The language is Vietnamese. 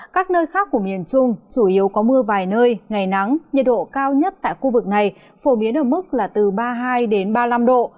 các nơi khác của miền trung chủ yếu có mưa vài nơi ngày nắng nhiệt độ cao nhất tại khu vực này phổ biến ở mức là từ ba mươi hai ba mươi năm độ